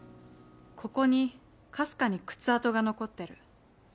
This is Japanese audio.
ここにかすかに靴跡が残ってる。